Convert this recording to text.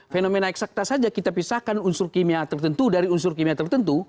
fenomena eksakta saja kita pisahkan unsur kimia tertentu dari unsur kimia tertentu